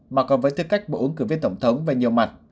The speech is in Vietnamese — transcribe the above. mà còn với tư cách bộ ứng cử viên tổng thống về nhiều mặt